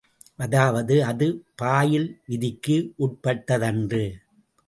அதாவது, அது பாயில் விதிக்கு உட்பட்டதன்று.